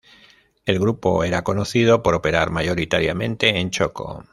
El grupo era conocido por operar mayoritariamente en Chocó.